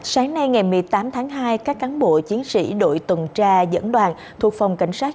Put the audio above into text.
sáng nay ngày một mươi tám tháng hai các cán bộ chiến sĩ đội tuần tra dẫn đoàn thuộc phòng cảnh sát